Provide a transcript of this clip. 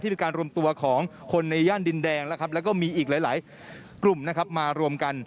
เป็นการรวมตัวของคนในย่านดินแดงแล้วก็มีอีกหลายกลุ่มนะครับมารวมกัน